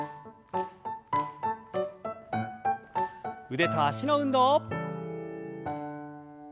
腕と脚の運動。